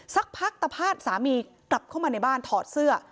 สักพักตะพาดสามีกลับเข้ามาในบ้านถอดเสื้อ